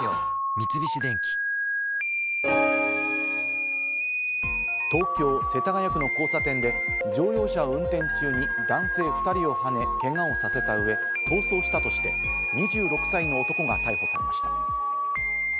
三菱電機東京・世田谷区の交差点で、乗用車を運転中に男性２人をはね、けがをさせた上、逃走したとして２６歳の男が逮捕されました。